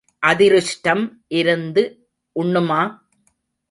அதிருஷ்டம் இருந்து உண்ணுமா?